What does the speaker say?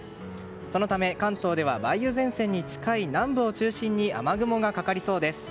そのため、関東では梅雨前線に近い南部を中心に雨雲がかかりそうです。